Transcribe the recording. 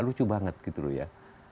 lucu banget gitu loh ya